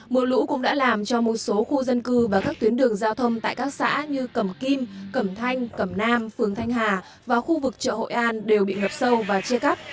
mùa lũ cũng đã làm cho một số khu dân cư và các tuyến đường giao thông tại các xã như cầm kim cầm thanh cầm nam phường thanh hà và khu vực chợ hội an đều bị ngập sâu và che cắp